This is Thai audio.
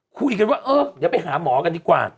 คุยกันว่าเออเดี๋ยวไปหาหมอกันดีกว่า